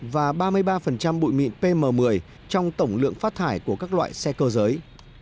và ba mươi ba bụi mịn pm một mươi trong tổng lượng phát thải của các loại xe cơ giới